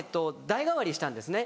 代替わりしたんですね。